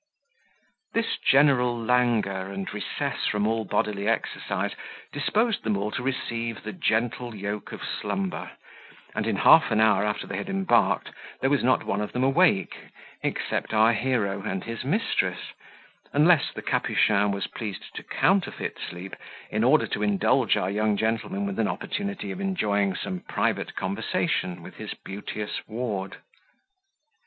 This general languor and recess from all bodily exercise disposed them all to receive the gentle yoke of slumber; and in half an hour after they had embarked, there was not one of them awake, except our hero and his mistress, unless the Capuchin was pleased to counterfeit sleep, in order to indulge our young gentleman with an opportunity of enjoying some private conversation with his beauteous ward.